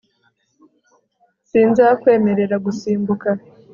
sinzakwemerera gusimbuka